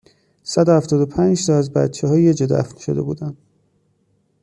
صد و هفتاد و پنج تا از بچهها یهجا دفن شده بودن